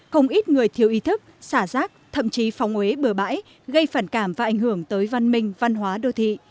không ít người thiếu ý thức xả rác thậm chí phóng huế bừa bãi gây phản cảm và ảnh hưởng tới văn minh văn hóa đô thị